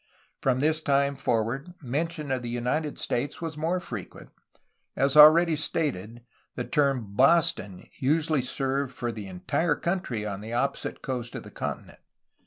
From this time forward, mention of the United States was more frequent. As already stated, the term ''Boston'' usually served for the entire country on the opposite coast of the continent.